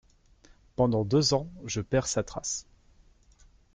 Pendant deux ans, je perds sa trace.